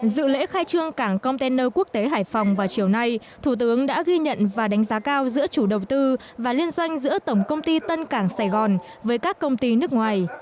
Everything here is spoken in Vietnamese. dự lễ khai trương cảng container quốc tế hải phòng vào chiều nay thủ tướng đã ghi nhận và đánh giá cao giữa chủ đầu tư và liên doanh giữa tổng công ty tân cảng sài gòn với các công ty nước ngoài